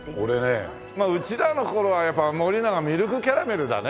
うちらの頃はやっぱ森永ミルクキャラメルだね。